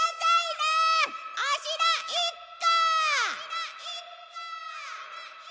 なお城１個！